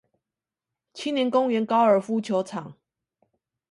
青年公園高爾夫球場